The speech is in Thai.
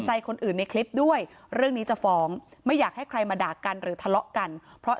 ใจคนอื่นในคลิปด้วยเรื่องนี้จะฟ้องไม่อยากให้ใครมาด่ากันหรือทะเลาะกันเพราะ